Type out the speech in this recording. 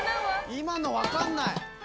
今の分かんない。